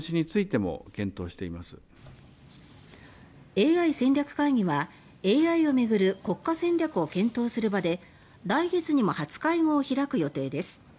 ＡＩ戦略会議はＡＩを巡る国家戦略を検討する場で来月にも初会合を開く予定です。